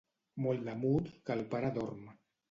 Molt de mut que el pare dorm.